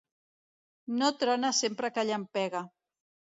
No trona sempre que llampega.